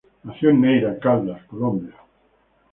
Nació en Neira, Caldas, Colombia.